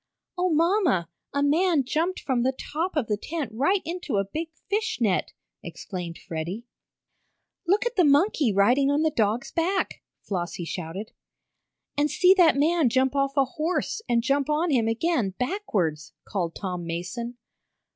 "Oh, mamma, a man jumped from the top of the tent right into a big fish net!" exclaimed Freddie. "Look at the monkey riding on the dog's back," Flossie shouted. "And see that man jump off a horse and jump on him again backwards!" called Tom Mason.